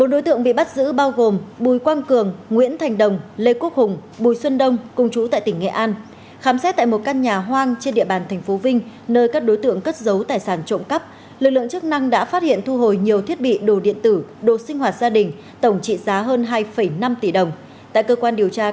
bốn đối tượng bị bắt giữ bao gồm bùi quang cường nguyễn thành đồng lê quốc hùng bùi xuân đông cùng chủ tại tỉnh nghệ an khám xét tại một căn nhà hoang trên địa bàn thành phố vinh nơi các đối tượng cất giấu tài sản trộm cắp lực lượng chức năng đã phát hiện thu hồi nhiều thiết bị đồ điện tử đồ sinh hoạt gia đình tổng trị giá hơn hai năm tỷ đồng tại cơ quan điều tra các đối tượng đã thừa nhận hành vi phạm tội của mình